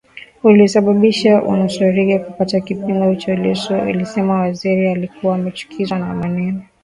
uliosababisha anusurike kupata kipigo hicho Lissu alisema Wasira alikuwa amechukizwa na maneno yake makali